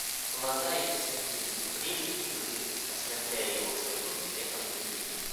Глаза эти светились ближе и ближе, ослепляя его своим светом любви.